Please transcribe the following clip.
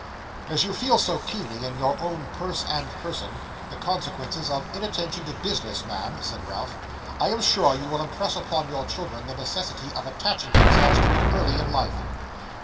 'As you feel so keenly, in your own purse and person, the consequences of inattention to business, ma'am,' said Ralph, 'I am sure you will impress upon your children the necessity of attaching themselves to it early in life.